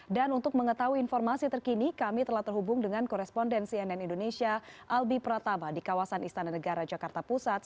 dan untuk mengetahui informasi terkini kami telah terhubung dengan korespondensi nn indonesia albi pratama di kawasan istana negara jakarta pusat